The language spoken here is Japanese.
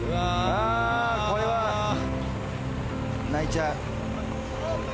あーこれは。泣いちゃう。